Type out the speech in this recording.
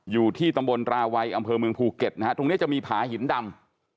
อยู่ที่ตำบลราวัยอำเภอเมืองภูเก็ตนะฮะตรงนี้จะมีผาหินดำ